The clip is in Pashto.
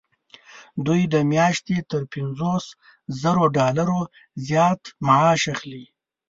دوی د میاشتې تر پنځوس زرو ډالرو زیات معاش اخلي.